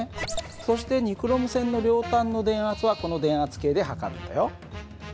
そしてニクロム線の両端の電圧はこの電流計で測るんだよ。